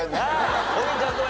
王林ちゃんどう？